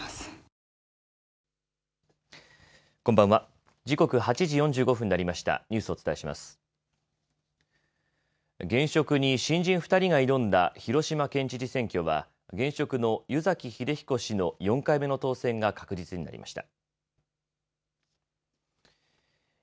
現職に新人２人が挑んだ広島県知事選挙は現職の湯崎英彦氏の４回目の当選が確実になりました。